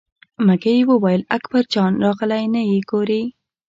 مکۍ وویل: اکبر جان راغلی نه یې ګورې.